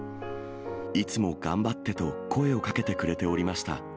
いつも頑張ってと声をかけてくれておりました。